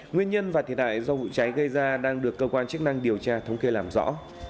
nguyên nhân và thiệt hại do vụ cháy gây ra đang được cơ quan chức năng điều tra thống kê làm rõ